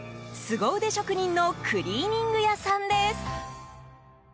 スゴ腕職人のクリーニング屋さんです。